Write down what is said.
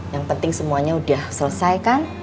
yang penting semuanya udah selesai kan